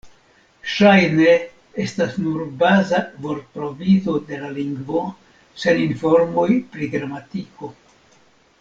Ŝajne estas nur baza vortprovizo de la lingvo, sen informoj pri gramatiko.